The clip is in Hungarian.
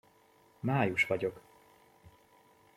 Május vagyok!